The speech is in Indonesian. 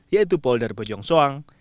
yaitu polder bojong soang